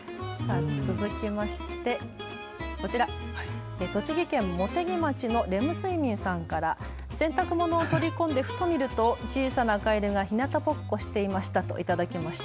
続きまして、こちら栃木県茂木町のｒｅｍｕｓｕｉｍｉｎさんから洗濯物を取り込んでふと見ると小さなカエルがひなたぼっこしていましたと頂きました。